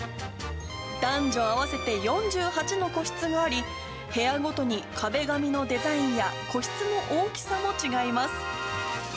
男女合わせて４８の個室があり、部屋ごとに壁紙のデザインや個室の大きさも違います。